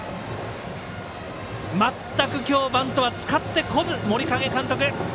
まったく今日バントは使ってこず森影監督。